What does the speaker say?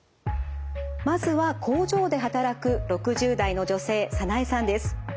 まずは工場で働く６０代の女性サナエさんです。